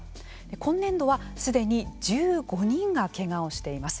今年度はすでに１５人がけがをしています。